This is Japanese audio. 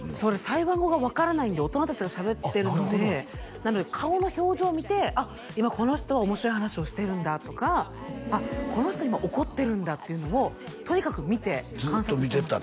台湾語が分からないんで大人達がしゃべってるのでなので顔の表情見て「あっ今この人は」「面白い話をしてるんだ」とか「あっこの人今怒ってるんだ」っていうのをとにかく見て観察してました